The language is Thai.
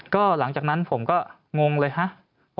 ก็หลังจากนั้นผมก็งงเลยฮะ